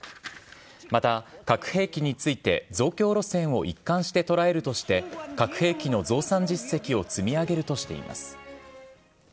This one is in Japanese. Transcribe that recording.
また核兵器について増強路線を一貫して捉えるとして、核兵器の増産実績を積み上げるとしています。